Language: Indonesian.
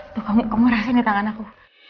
tuh kamu rasain di tangan aku